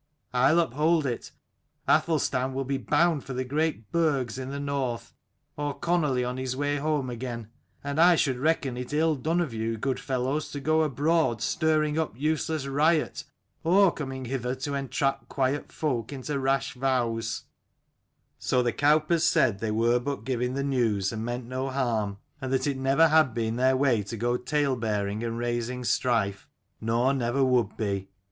I'll uphold it, Athelstan will be bound for the great burgs in the north, or connily on his way home again. And I should reckon it ill done of you good fellows to go abroad stirring up useless riot, or coming hither to entrap quiet folk into rash vows" So the cowpers said they were but giving the news and meant no harm : and that it never had been their way to go talebearing and raising strife, nor never would be.